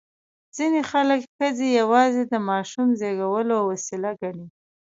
ځینې خلک ښځې یوازې د ماشوم زېږولو وسیله ګڼي.